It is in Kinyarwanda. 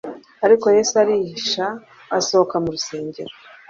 «Ariko Yesu arihisha asohoka mu rusengero.»